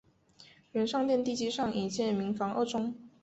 原上殿地基上已建民房二幢。